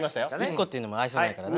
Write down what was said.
一個っていうのも愛想ないからな。